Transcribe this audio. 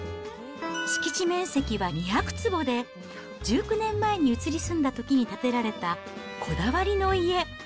敷地面積は２００坪で、１９年前に移り住んだときに建てられた、こだわりの家。